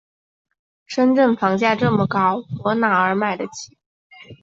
深圳房价这么高，我哪儿买得起？